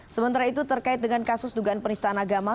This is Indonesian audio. sementara itu terkait dengan kasus dugaan penistaan agama